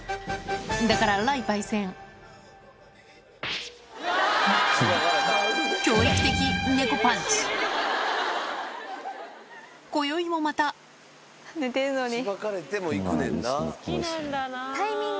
だから雷パイセン。